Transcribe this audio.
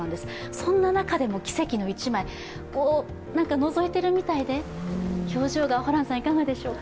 そんな中でも奇跡の１枚、なんかのぞいてるみたいで表情がいかがでしょうか？